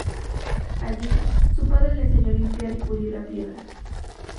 Allí, su padre le enseñó a limpiar y pulir la piedra.